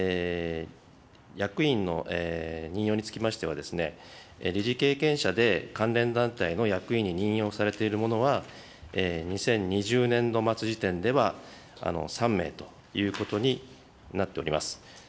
役員の任用につきましては、理事経験者で関連団体の役員に任用されている者は、２０２０年度末時点では３名ということになっております。